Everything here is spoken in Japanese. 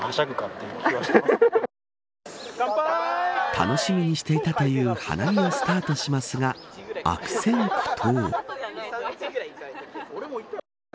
楽しみにしていたという花見をスタートしますが悪戦苦闘。